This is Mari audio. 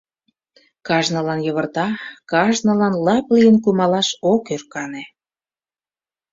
Кажнылан йывырта, кажнылан лап лийын кумалаш ок ӧркане.